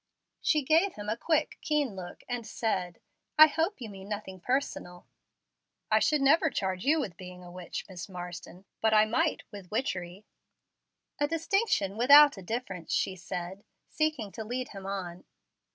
She gave him a quick, keen look, and said, "I hope you mean nothing personal." "I should never charge you with being a witch, Miss Marsden, but I might with witchery." "A distinction without a difference," she said, seeking to lead him on.